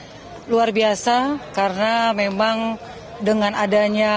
ini luar biasa karena memang dengan adanya